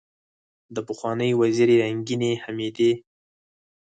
دپخوانۍ وزیرې رنګینې حمیدې